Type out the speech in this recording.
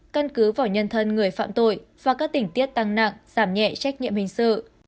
căn cứ vào nhân thân người phạm tội và các tỉnh tiết tăng nặng giảm nhẹ trách nhiệm hình sự